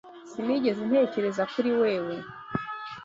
Sinigeze ntekereza kuri wewe.